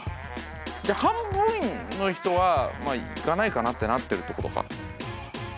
じゃあ半分の人はまあ行かないかなってなってるってことか。